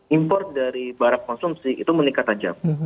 import dari barang konsumsi itu meningkat tajam